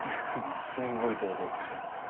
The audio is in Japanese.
すんごい堂々としてた。